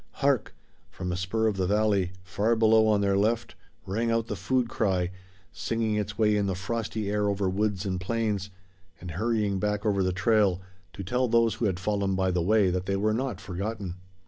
Hark! from a spur of the valley, far below on their left, rang out the food cry, singing its way in the frosty air over woods and plains, and hurrying back over the trail to tell those who had fallen by the way that they were not forgotten.